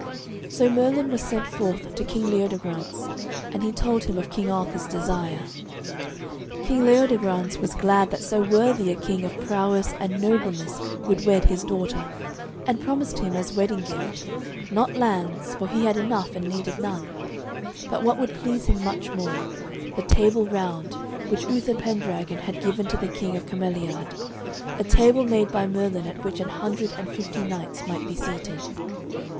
So Merlin was sent forth to King Leodegrance, and he told him of King Arthur's desire. King Leodegrance was glad that so worthy a king of prowess and of nobleness would wed his daughter, and promised him as wedding gift, not lands, for he had enough and needed none, but what would please him much more, the Table Round, which Uther Pendragon had given to the King of Cameliard, a table made by Merlin at which an hundred and fifty knights might be seated.